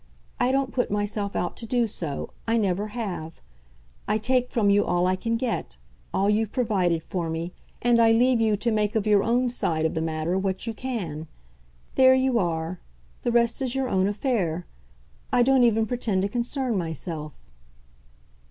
I don't put myself out to do so I never have; I take from you all I can get, all you've provided for me, and I leave you to make of your own side of the matter what you can. There you are the rest is your own affair. I don't even pretend to concern myself